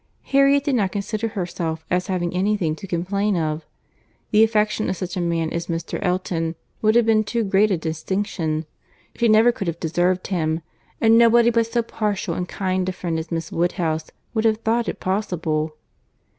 Harriet did not consider herself as having any thing to complain of. The affection of such a man as Mr. Elton would have been too great a distinction.—She never could have deserved him—and nobody but so partial and kind a friend as Miss Woodhouse would have thought it possible.